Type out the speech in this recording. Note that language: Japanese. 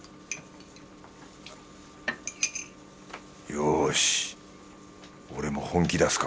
よし俺も本気出すか